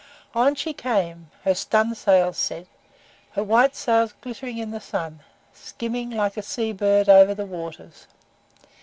On she came her stunsails set her white sails glittering in the sun skimming like a sea bird over the waters.